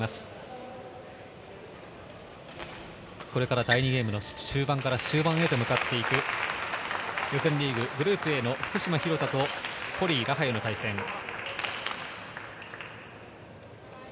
これから第２ゲームの中盤から終盤へと向かっていく、予選リーググループＡの福島・廣田対、ポリイ、ラハユの対戦です。